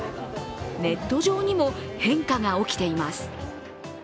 ネット上にも変化が起きています。